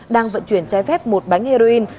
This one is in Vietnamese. đang vận chuyển trái phép một bánh heroin